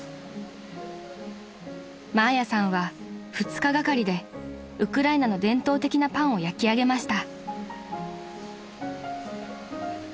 ［マーヤさんは２日がかりでウクライナの伝統的なパンを焼き上げました］